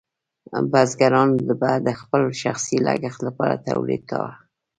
بزګرانو به د خپل شخصي لګښت لپاره تولید کاوه.